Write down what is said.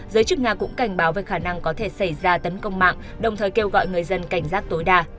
giới chức nga cũng cảnh báo về khả năng có thể xảy ra tấn công mạng đồng thời kêu gọi người dân cảnh giác tối đa